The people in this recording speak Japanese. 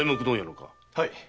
はい。